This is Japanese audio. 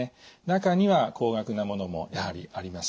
中には高額なものもやはりあります。